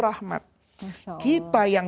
rahmat kita yang